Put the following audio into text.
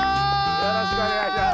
よろしくお願いします。